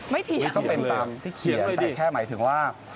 ไม่เถียงเลยล่ะก็เป็นตามที่เขียนแต่แค่หมายถึงว่า